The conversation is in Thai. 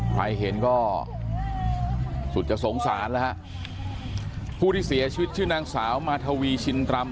ใครเห็นก็สุดจะสงสารแล้วฮะผู้ที่เสียชีวิตชื่อนางสาวมาทวีชินรำ